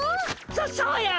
そそうや！